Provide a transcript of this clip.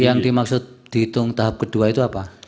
yang dimaksud dihitung tahap kedua itu apa